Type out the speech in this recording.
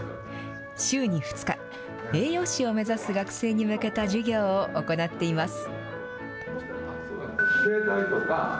週に２日、栄養士を目指す学生に向けた授業を行っています。